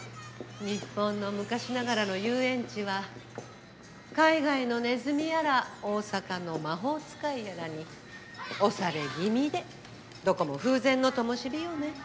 日本の昔ながらの遊園地は海外のネズミやら大阪の魔法使いやらに押され気味でどこも風前の灯よね。